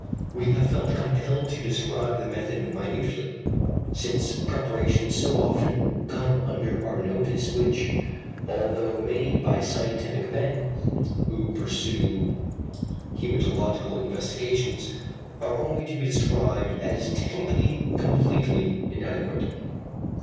We have felt compelled to describe the method minutely, since preparations so often come under our notice which, although made by scientific men, who pursue hæmatological investigations, are only to be described as technically completely inadequate.